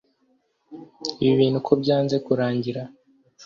Ibi bibntu ko byanze kurangira